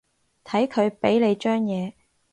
睇佢畀你張嘢